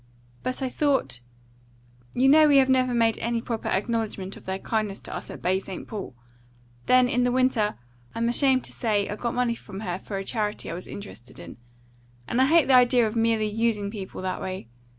But I thought You know we have never made any proper acknowledgment of their kindness to us at Baie St. Paul. Then in the winter, I'm ashamed to say, I got money from her for a charity I was interested in; and I hate the idea of merely USING people in that way.